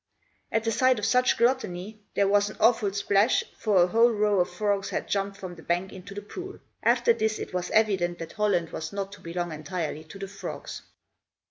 At the sight of such gluttony, there was an awful splash, for a whole row of frogs had jumped from the bank into the pool. After this, it was evident that Holland was not to belong entirely to the frogs."